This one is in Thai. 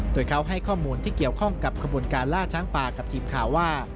โดยเขาให้ข้อมูลที่เกี่ยวข้องกับขบวนการล่าช้างป่ากับทีมข่าวว่า